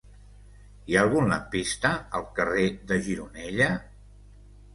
Hi ha algun lampista al carrer de Gironella?